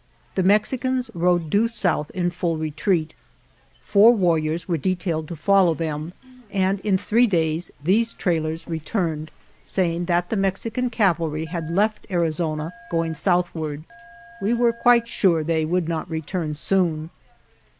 The Mexicans rode due south in full retreat. 58 UNDER DIFFICULTIES Four warriors were detailed to follow them, and in three days these trailers returned, say ing that the Mexican cavalry had left Ari zona, going southward. We were quite sure they would not return soon.